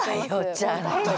ちゃんと。